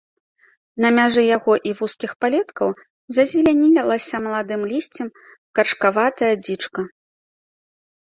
На мяжы яго і вузкіх палеткаў зазелянілася маладым лісцем каржакаватая дзічка.